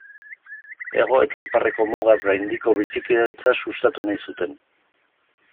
Hego eta Iparreko mugaz gaindiko bizikidetza sustatu nahi zuten.